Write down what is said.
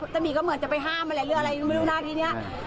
แต่มีก็เหมือนจะไปห้ามอะไรหรืออะไรไม่รู้นะทีนี้